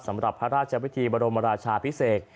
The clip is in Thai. สำหรับพระราชวิธีบรมราชาพิเศษ